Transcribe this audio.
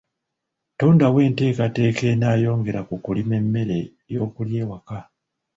Tondawo enteekateeka enaayongera ku kulima emmere y'okulya ewaka.